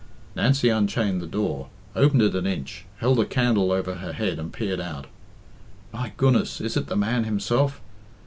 Nancy unchained the door, opened it an inch, held a candle over her head, and peered out. "My goodness, is it the man himself?